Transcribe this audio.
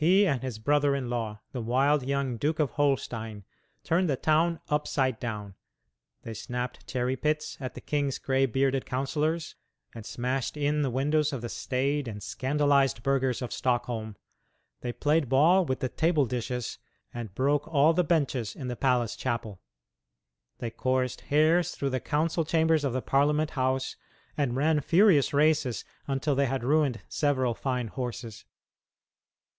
He and his brother in law, the wild young Duke of Holstein, turned the town upside down. They snapped cherry pits at the king's gray bearded councillors, and smashed in the windows of the staid and scandalized burghers of Stockholm. They played ball with the table dishes, and broke all the benches in the palace chapel. They coursed hares through the council chambers of the Parliament House, and ran furious races until they had ruined several fine horses.